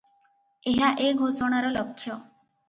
ଏହା ଏ ଘୋଷଣାର ଲକ୍ଷ୍ୟ ।